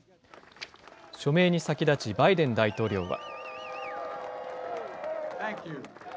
署名に先立ちバイデン大統領は。